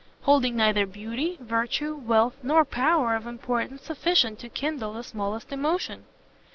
holding neither beauty, virtue, wealth, nor power of importance sufficient to kindle the smallest emotion!"